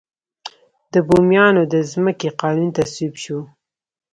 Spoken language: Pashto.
د بوميانو د ځمکو قانون تصویب شو.